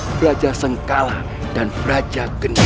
praja sengkala dan praja genggara